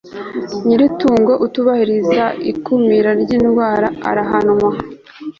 nyir' itungo utubahiriza ikumira ry'indwara arahanwa